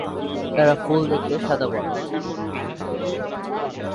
এর ফুল দেখতে সাদা বর্ণ।